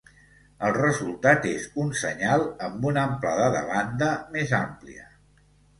El resultat és un senyal amb una amplada de banda més àmplia.